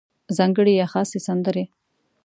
ځانګړې یا خاصې سندرې